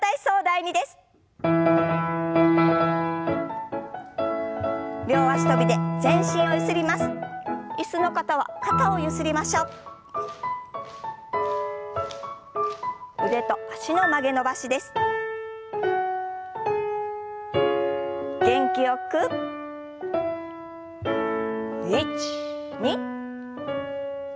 １２。